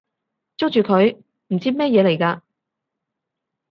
捉住佢！唔知咩嘢嚟㗎！